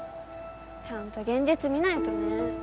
ちゃんと現実見ないとね